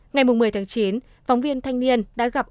ngày một mươi tháng chín phóng viên thanh niên đã gặp một người tự do